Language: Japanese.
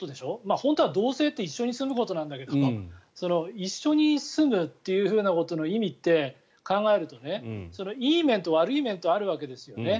本当は同棲って一緒に住むことなんだけど一緒に住むということの意味って考えるとねいい面と悪い面とあるわけですよね。